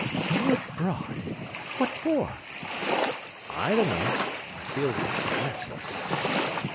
"Go abroad! What for?" "I dunno! I feel restless."